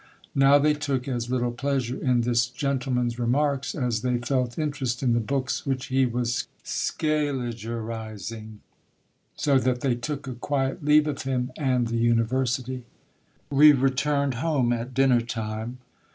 Now they took as little pleasure in this gentleman's remarks as they felt interest in the books which he was Scaligerising, so that they took a quiet leave of him and the university. We returned home at dinner time.